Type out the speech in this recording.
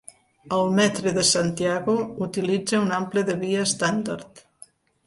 El metre de Santiago utilitza un ample de via estàndard.